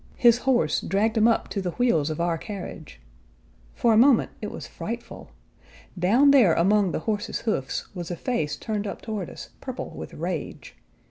His horse dragged him up to the wheels of our carriage. For a moment it was frightful. Down there among the horses' hoofs was a face turned up toward us, purple with rage.